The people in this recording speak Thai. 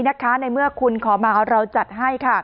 ในเมื่อคุณขอมาเราจัดให้